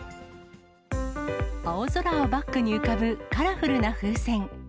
青空をバックに浮かぶカラフルな風船。